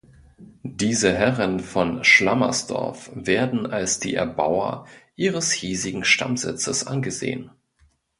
Diese Herren von Schlammersdorf werden als die Erbauer ihres hiesigen Stammsitzes angesehen.